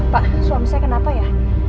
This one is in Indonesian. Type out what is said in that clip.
pak suami saya kenapa ya